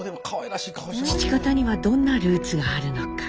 父方にはどんなルーツがあるのか。